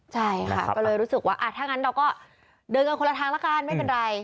ใช่ค่ะก็เลยรู้สึกว่าถ้างั้นเราก็เดินกันคนละทางละกันไม่เป็นไร